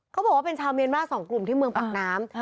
เขาบอกว่าเป็นชาวเมียนมา๒กลุ่มที่เมืองปากน้ำ